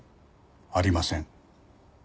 ありません。